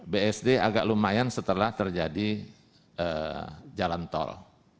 bsd agak lumayan setelah terjadi jalan tol